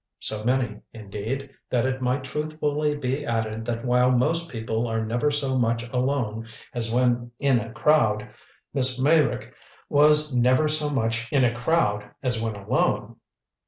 So many, indeed, that it might truthfully be added that while most people are never so much alone as when in a crowd, Miss Meyrick was never so much in a crowd as when alone.